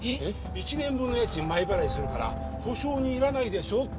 １年分の家賃前払いするから保証人いらないでしょって。